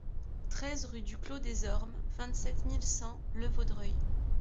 treize rue du Clos des Ormes, vingt-sept mille cent Le Vaudreuil